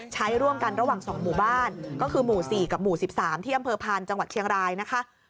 ใช้ร่วมกันระหว่าง๒หมู่บ้านก็คือหมู่๔กับหมู่๑๓ที่อำเภอพานจังหวัดเชียงรายนะคะ